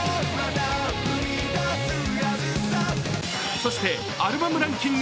そしてアルバムランキング